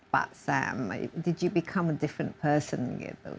pak sam apakah anda menjadi orang yang berbeda